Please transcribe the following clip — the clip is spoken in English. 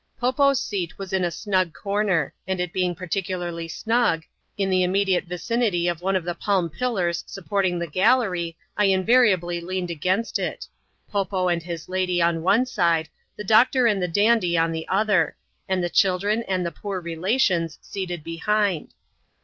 Po Po's seat was in a snug comer; and it being partieulad^ snug, in the inmiediate vicinity of one of the Palm pillars sup porting the gallery, I invariably leaned against it : Po Po and his lady on one side, the doctor and the dandy on the other, and the children and poor relations seated behind.